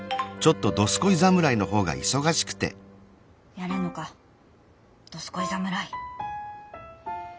やれんのかどすこい侍。